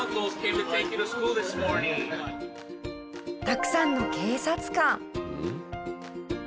たくさんの警察官。